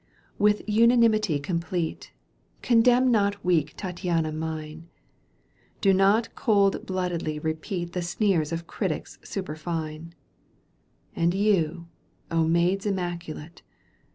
With unanimity complete. Condemn not weak Tattiana mine ; Do not cold bloodedly repeat The sneers of critics superfine ; And you, maids immaculate.